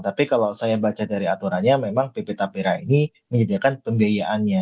tapi kalau saya baca dari aturannya memang pp tapera ini menyediakan pembiayaannya